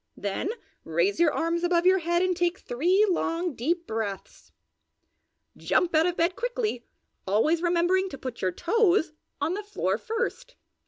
then raise your arms above your head and take three long, deep breaths. Jump out of bed quickly, always remembering to put your toes on the floor first.